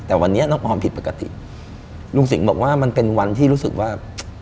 แต่วันนี้น้องออมผิดปกติลุงสิงห์บอกว่ามันเป็นวันที่รู้สึกว่า